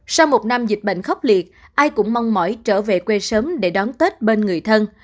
sau một năm dịch bệnh khốc liệt ai cũng mong mỏi trở về quê sớm để đón tết bên người thân